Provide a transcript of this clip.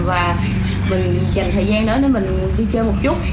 và mình dành thời gian đó để mình đi chơi một chút